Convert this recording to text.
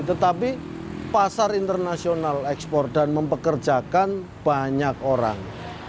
tetapi pasar internasional ekspor dan mempekerjakan banyak orang